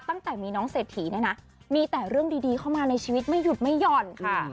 ตั้งแต่มีน้องเศรษฐีเนี่ยนะมีแต่เรื่องดีเข้ามาในชีวิตไม่หยุดไม่หย่อนค่ะ